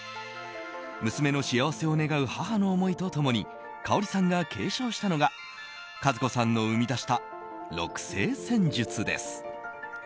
娘の幸せを願う母の思いと共にかおりさんが継承したのが数子さんの生み出した六星占術です。